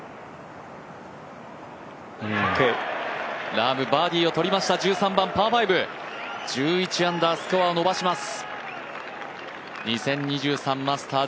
ラーム、バーディーをとりました、１３番パー５。１１アンダー、スコアを伸ばします。